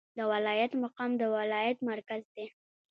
د ولایت مقام د ولایت مرکز دی